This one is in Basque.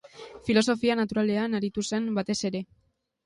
Filosofia naturalean aritu zen batez ere.